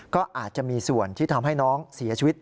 ก็อาจจะมีส่วนที่ทำให้น้องเสียชีวิต